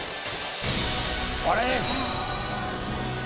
これですよ。